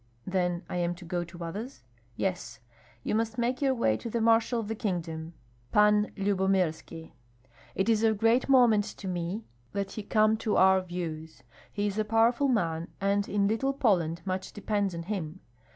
"Then I am to go to others?" "Yes. You must make your way to the marshal of the kingdom, Pan Lyubomirski. It is of great moment to me that he come to our views. He is a powerful man, and in Little Poland much depends on him.